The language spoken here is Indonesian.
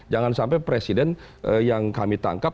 jangan sampai presiden yang kami tangkap